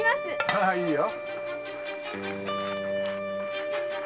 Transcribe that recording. ああいいよ。